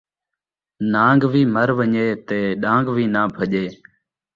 نان٘گ وی مرون٘ڄے تے ݙان٘گ وی ناں بھڄے